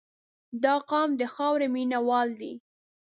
• دا قوم د خاورې مینه وال دي.